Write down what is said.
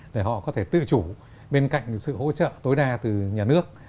để họ có thể tự chủ bên cạnh sự hỗ trợ tối đa từ nhà nước